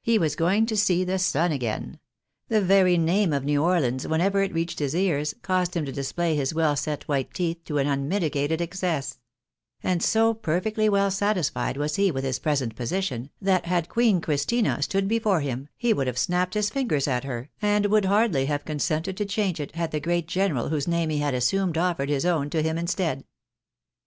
He was going to see the sun again ! The very name of New Orleans, •whenever it reached his ears, caused him to display his weU set wHte teeth to an unmitigated excess ; and so perfectly well satisfied was he with his present position, that had Queen Christina stood before him, he would have snapped his fingers at her, and would hardly have consented to change it, had the great general whose name he had assumed offered his own to him instead. ijaji, e.±*IJNiSTEK S PROMISED LAND.